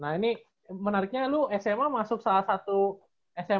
nah ini menariknya lu sma masuk salah satu sma favorit basket ya